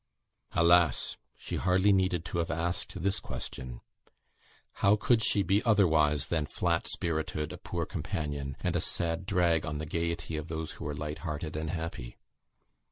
Alas! she hardly needed to have asked this question. How could she be otherwise than "flat spirited," "a poor companion," and a "sad drag" on the gaiety of those who were light hearted and happy!